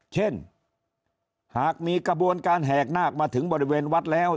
เช่นหากมีกระบวนการแหกนาคมาถึงบริเวณวัดแล้ว